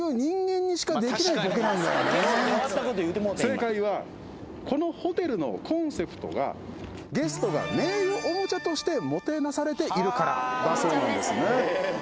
正解はこのホテルのコンセプトがゲストが名誉おもちゃとしてもてなされているからだそうなんですね